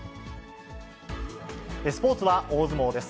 スポーツは大相撲です。